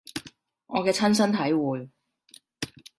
我嘅親身體會